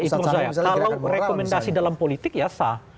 kalau rekomendasi dalam politik ya sah